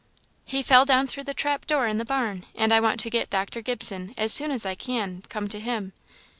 "He fell down through the trap door in the barn; and I want to get Dr. Gibson, as soon as I can, come to him.